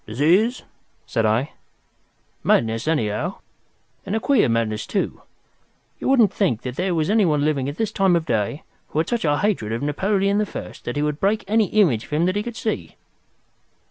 "Disease?" said I. "Madness, anyhow. And a queer madness, too. You wouldn't think there was anyone living at this time of day who had such a hatred of Napoleon the First that he would break any image of him that he could see."